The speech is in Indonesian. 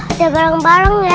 udah bareng bareng ya